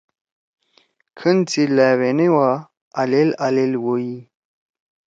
کھن سی لأوینا وا آلیل آلیل وئی۔